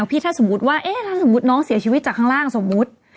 พี่ถ้าสมมุติว่าเอ๊ะถ้าสมมุติน้องเสียชีวิตจากข้างล่างสมมุติ